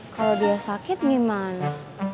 kalau dia sakit gimana